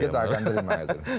kita akan terima itu